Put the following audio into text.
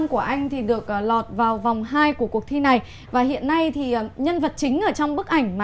của anh thì được lọt vào vòng hai của cuộc thi này và hiện nay thì nhân vật chính ở trong bức ảnh mà